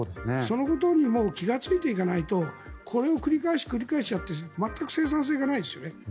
そのことにもう気がついていかないとこれを繰り返し繰り返しやって全く生産性がないですよね。